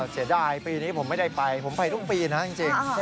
เสียดายปีนี้ผมไม่ได้ไปผมไปทุกปีนะจริง